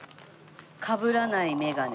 「カブらない眼鏡」。